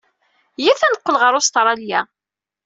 Iyyat ad neqqel ɣer Ustṛalya.